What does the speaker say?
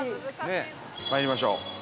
まいりましょう。